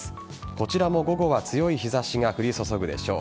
こちらも、午後は強い日差しが降り注ぐでしょう。